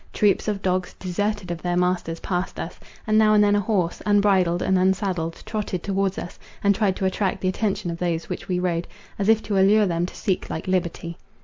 Troops of dogs, deserted of their masters, passed us; and now and then a horse, unbridled and unsaddled, trotted towards us, and tried to attract the attention of those which we rode, as if to allure them to seek like liberty.